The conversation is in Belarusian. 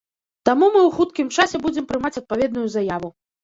Таму мы ў хуткім часе будзем прымаць адпаведную заяву.